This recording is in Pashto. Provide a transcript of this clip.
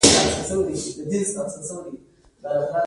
د شواب په نظر دري سوه شل ميليونه ډالر به يو ښه نرخ وي.